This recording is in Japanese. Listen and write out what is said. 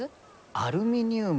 アルミニウム？